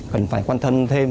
cần phải quan tâm thêm